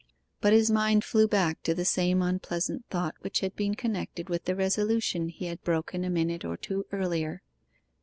But his mind flew back to the same unpleasant thought which had been connected with the resolution he had broken a minute or two earlier.